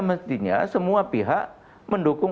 mestinya semua pihak mendukung